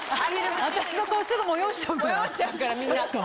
私の顔すぐもよおしちゃうからちょっと。